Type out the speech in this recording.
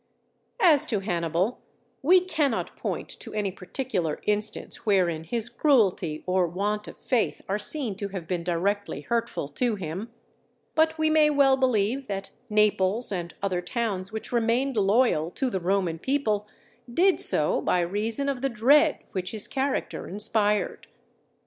As to Hannibal, we cannot point to any particular instance wherein his cruelty or want of faith are seen to have been directly hurtful to him; but we may well believe that Naples and other towns which remained loyal to the Roman people, did so by reason of the dread which his character inspired.